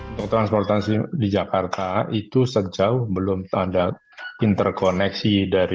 untuk transportasi di jakarta itu sejauh belum ada interkoneksi dari